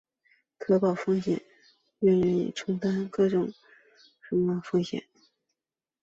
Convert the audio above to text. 可保风险是保险人愿意承保并能够承保的风险。